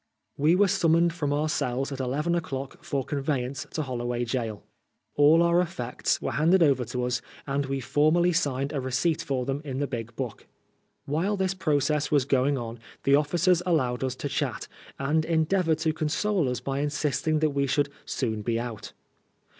We were summoned from our cells at eleven o'clock for conveyance to Holloway Gaol. All our effects were handed over to us, and we formally signed a receipt for them in the big book. While this process was going on the ofi&cers allowed us to chat, and endeavored to console us by insisting that we should " soon be out.'